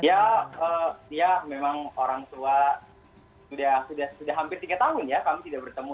ya ya memang orang tua sudah hampir tiga tahun ya kami tidak bertemu